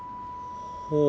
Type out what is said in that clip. ほう。